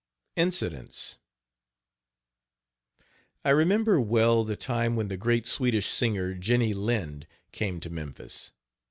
INCIDENTS I remember well the time when the great Swedish singer, Jenny Lind, came to Memphis.